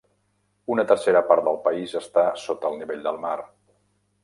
Una tercera part del país està sota el nivell del mar.